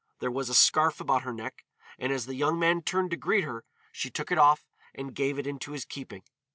There was a scarf about her neck, and as the young man turned to greet her, she took it off and gave it into his keeping.